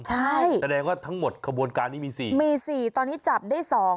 ใช่แสดงว่าทั้งหมดขบวนการนี้มีสี่มีสี่ตอนนี้จับได้สอง